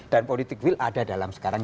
dan politik will ada dalam sekarang